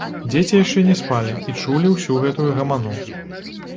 Дзеці яшчэ не спалі і чулі ўсю гэтую гаману